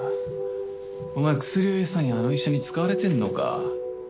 お前薬を餌にあの医者に使われてんのか。